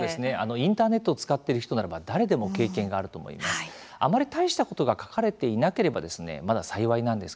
インターネットを使っている人ならば誰でも経験があると思います。